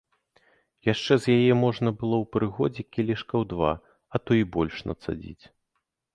Яшчэ з яе можна было ў прыгодзе кілішкаў два, а то й больш нацадзіць.